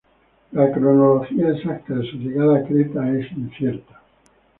La cronología exacta de su llegada a Creta es incierta.